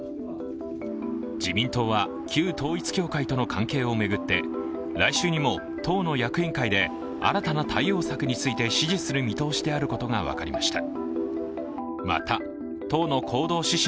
自民党は、旧統一教会との関係を巡って来週にも党の役員会で新たな対応策について指示する見通しであることが分かりました。